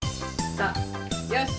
さあよし！